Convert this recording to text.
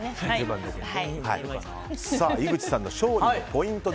井口さんの勝利のポイント